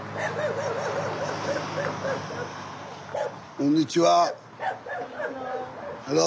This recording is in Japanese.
こんにちは。